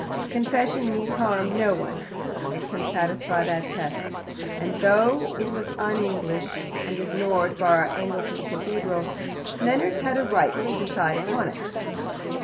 Confession need harm no one it can satisfy that test and though it was un English, and ignored by our Anglican cathedral, Leonard had a right to decide upon it.